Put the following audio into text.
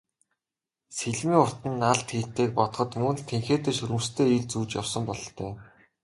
Сэлмийн урт нь алд хэртэйг бодоход мөн л тэнхээтэй шөрмөстэй эр зүүж явсан бололтой.